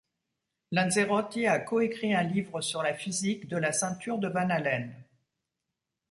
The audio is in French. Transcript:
Lanzerotti a co-écrit un livre sur la physique de la ceinture de Van Allen.